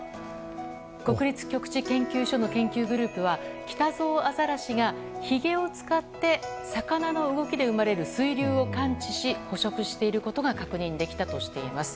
国立極地研究所の研究グループはキタゾウアザラシがひげを使って魚の動きで生まれる水流を感知し捕食していることが確認できたとしています。